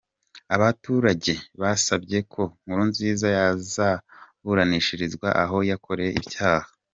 Abaturage basabye ko Nkurunziza yazaburanishirizwa aho yakoreye icyaha.